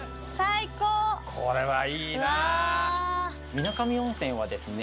水上温泉はですね